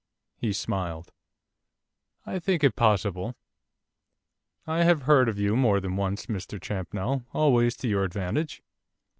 He smiled. 'I think it possible. I have heard of you more than once, Mr Champnell, always to your advantage.